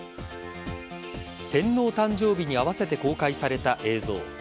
天皇誕生日に合わせて公開された映像。